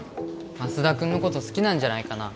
マスダ君のこと好きなんじゃないかな？